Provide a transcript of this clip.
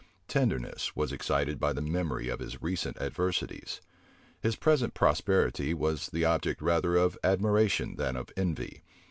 Tenderness was excited by the memory of his recent adversities. His present prosperity was the object rather of admiration than of envy.